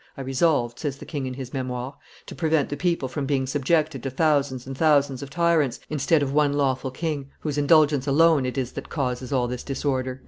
"I resolved," says the king in his Memoires, "to prevent the people from being subjected to thousands and thousands of tyrants, instead of one lawful king, whose indulgence alone it is that causes all this disorder."